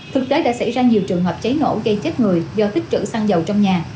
thực tế đã xảy ra nhiều trường hợp cháy nổ gây chết người do tích trữ xăng dầu trong nhà